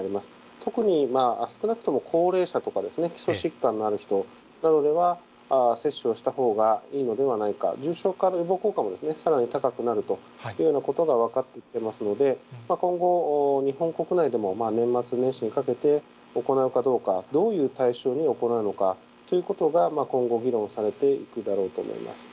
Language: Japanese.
特に、少なくとも高齢者とかですね、基礎疾患のある人などでは、接種をしたほうがいいのではないか、重症化の予防効果もさらに高くなるというようなことが分かってきてますので、今後、日本国内でも、年末年始にかけて行うかどうか、どういう対象に行うのかということが今後議論されていくだろうと思います。